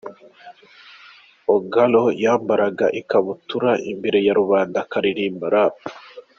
Ogalo yambaraga ikabutura imbere ya rubanda aakaririmba Rap.